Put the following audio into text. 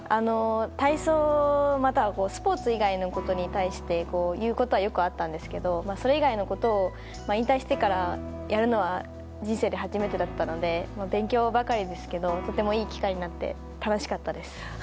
体操、またはスポーツ以外のことに対して言うことはよくあったんですけどそれ以外のことを引退してからやるのは人生で初めてだったので勉強ばかりですけどとてもいい機会になって楽しかったです。